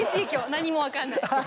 何も分かんない。